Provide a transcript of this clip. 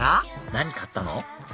何買ったの？